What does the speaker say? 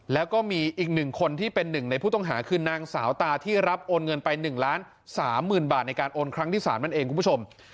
แล้วก็มีอีก๑คนที่เป็นหนึ่งในผู้ต้องหาคือนางสาวตาที่รับโอนเงินไป๑ล้าน๓๐๐๐บาทในการโอนครั้งที่๓นั่นเองคุณผู้ชม